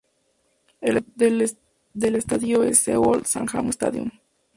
El apodo del estadio es: "Seoul Sang-am stadium".